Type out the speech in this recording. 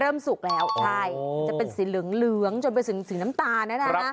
มันเริ่มสุกแล้วจะเป็นสีเหลืองจนเป็นสีน้ำตานะ